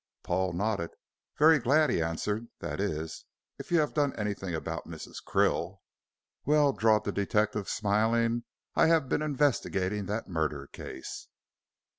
Paul nodded. "Very glad," he answered, "that is, if you have done anything about Mrs. Krill?" "Well," drawled the detective, smiling, "I have been investigating that murder case."